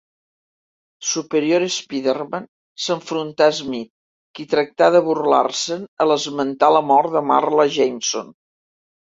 Superior Spiderman s'enfronta a Smythe, qui tracta de burlar-se'n a l'esmentar la mort de Marla Jameson.